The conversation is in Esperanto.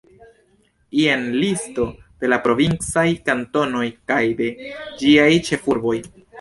Jen listo de la provincaj kantonoj kaj de ĝiaj ĉefurboj.